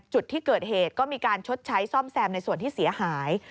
จุดที่เกิดเหตุก็มีการชดใช้ซ่อมแซมในส่วนที่เสียหาย